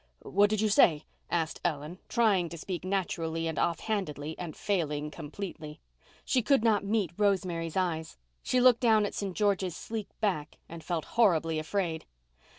What did you say?" asked Ellen, trying to speak naturally and off handedly, and failing completely. She could not meet Rosemary's eyes. She looked down at St. George's sleek back and felt horribly afraid.